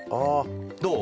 どう？